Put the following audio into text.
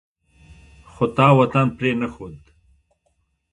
خو تا وطن پرې نه ښود.